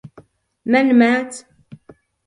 من مات؟